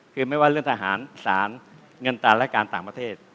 คือไม่ว่าเรื่องทหารสารเงินตันและการต่างประเทศ